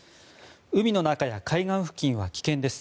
海の中や海岸付近は危険です。